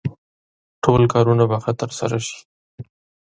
ټول کارونه به ښه ترسره شي.